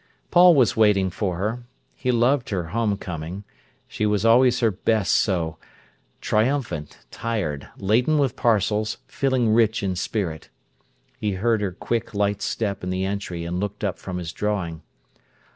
Paul was waiting for her. He loved her home coming. She was always her best so—triumphant, tired, laden with parcels, feeling rich in spirit. He heard her quick, light step in the entry and looked up from his drawing.